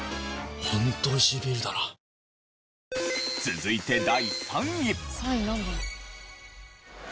続いて第３位。